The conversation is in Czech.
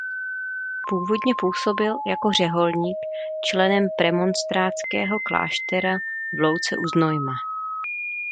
Původně působil jako řeholník členem premonstrátského kláštera v Louce u Znojma.